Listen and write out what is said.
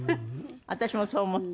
私もそう思った。